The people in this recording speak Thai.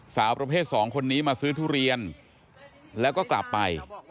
สาวประเภทสองคนนี้มาซื้อทุเรียนแล้วก็กลับไป